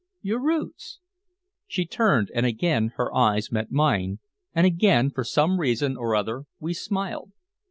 "Your roots." She turned and again her eyes met mine, and again for some reason or other we smiled.